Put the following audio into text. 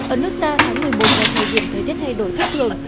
ở nước ta tháng một mươi bốn là thời điểm thời tiết thay đổi thất lượng